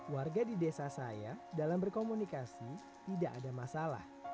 warga di desa saya dalam berkomunikasi tidak ada masalah